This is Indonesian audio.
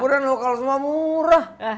brand lokal semua murah